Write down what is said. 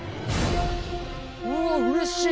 うわっうれしい。